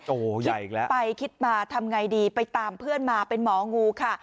โอ้โหใหญ่อีกแล้วไปคิดมาทำไงดีไปตามเพื่อนมาเป็นหมองูค่ะ